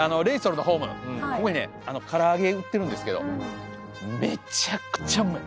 ここにねから揚げ売ってるんですけどめちゃくちゃうまい！